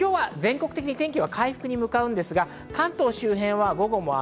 今日は全国的に天気は回復に向かうんですが、関東周辺は午後も雨。